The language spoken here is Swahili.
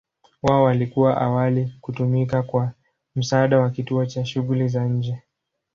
Wao walikuwa awali kutumika kwa msaada wa kituo cha shughuli za nje.